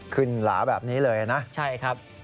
หลาแบบนี้เลยนะใช่ครับ